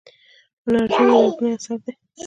منار جام یو لرغونی اثر دی.